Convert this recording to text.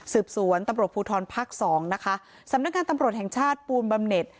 สวนตำรวจภูทรภาคสองนะคะสำนักงานตำรวจแห่งชาติปูนบำเน็ต